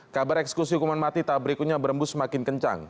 kabar eksekusi hukuman mati tahap berikutnya berembus semakin kencang